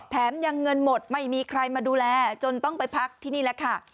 แถมยังเงินหมดไม่มีใครมาดูแลจนต้องไปพักที่นี่แหละค่ะ